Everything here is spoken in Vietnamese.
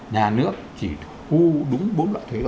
nhà nước chỉ thu đúng bốn loại thuế rồi